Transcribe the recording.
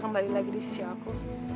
kembali lagi di sisi aku